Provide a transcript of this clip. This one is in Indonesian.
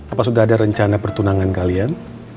apa sudah ada rencana pertunangan kalian